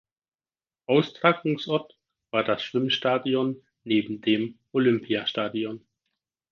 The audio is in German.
Austragungsort war das Schwimmstadion neben dem Olympiastadion.